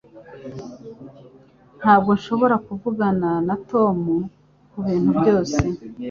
Ntabwo nshobora kuvugana na Tom kubintu byose